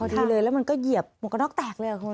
ทีเลยแล้วมันก็เหยียบหมวกกระน็อกแตกเลยอ่ะคุณ